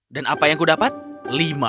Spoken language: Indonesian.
dan apa yang aku dapat lima